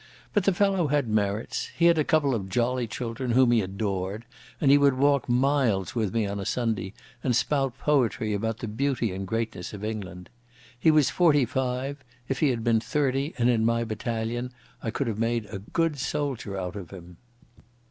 But the fellow had merits. He had a couple of jolly children whom he adored, and he would walk miles with me on a Sunday, and spout poetry about the beauty and greatness of England. He was forty five; if he had been thirty and in my battalion I could have made a soldier out of him.